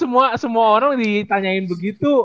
enggak lo semua orang ditanyain begitu